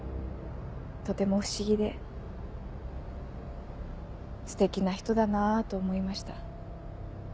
とても不思議でステキな人だなぁと思いました。